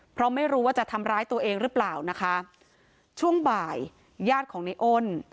เพราะไม่รู้ว่าจะทำร้ายตัวเองหรือเปล่านะคะช่วงบ่ายญาติของในอ้น